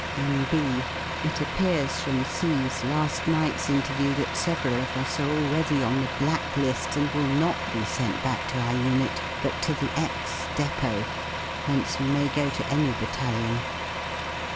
(N.B. — It appears from C 's la^ night's interview that several of us are already on the black li^ and will not be sent back to our unit, but to the X depot, whence we may go to any battalion.)